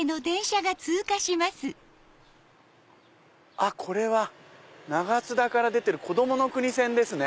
あっこれは長津田から出てるこどもの国線ですね。